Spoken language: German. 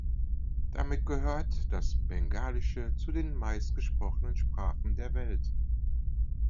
Damit gehört das Bengalische zu den meistgesprochenen Sprachen der Welt.